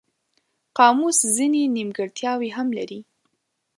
قاموس ځینې نیمګړتیاوې هم لري.